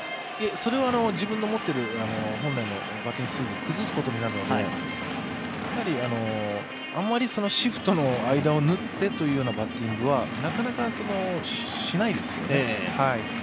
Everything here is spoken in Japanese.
それは自分の持っている本来のバッティングスイングを崩すことになるので、やはりあまりシフトの間を縫ってというバッティングはなかなかしないですよね。